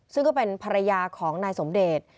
ซึ่งก็เป็นภรรยาของนายสมเดช